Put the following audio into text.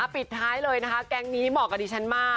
ปิดท้ายเลยนะคะแก๊งนี้เหมาะกับดิฉันมาก